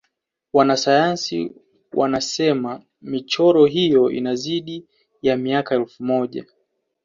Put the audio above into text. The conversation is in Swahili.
wanasayansi wanasena michoro hiyo ina zaidi ya miaka elfu moja